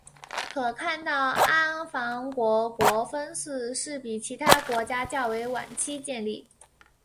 可看到安房国国分寺是比其他国家较为晚期建立。